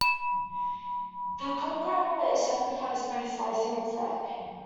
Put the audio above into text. The cockerel is sacrificed by slicing its neck.